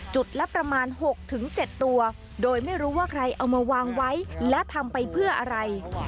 จุดละประมาณ๖๗ตัวโดยไม่รู้ว่าใครเอามาวางไว้และทำไปเพื่ออะไร